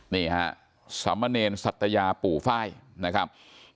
นี่ฮะสามเมรีนสัตยาปู่ฟ้ายนะครับ